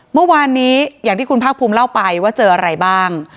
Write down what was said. เมื่อวานนี้อย่างที่คุณภาคภูมิเล่าไปว่าเจออะไรบ้าง